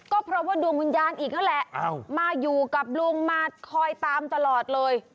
ก็เพราะว่าดวงวิญญาณอีกนั่นแหละมาอยู่กับลุงมาคอยตามตลอดเลย